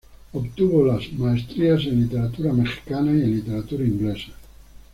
Obtuvo las maestrías en literatura mexicana y en literatura inglesa.